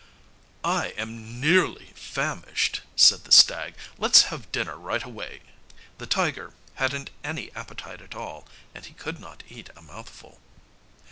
"I am nearly famished," said the stag. "Let's have dinner right away." The tiger hadn't any appetite at all and he could not eat a mouthful.